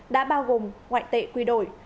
đã bao gồm ngoại tệ quy đổi